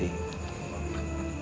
kita akan berjumpa lagi